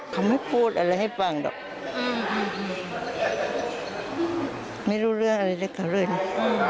เขาไม่พูดอะไรให้ฟังหรอกไม่รู้เรื่องอะไรจากเขาเลยนะ